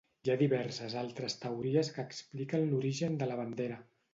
Hi ha diverses altres teories que expliquen l'origen de la bandera.